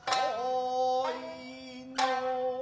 はい。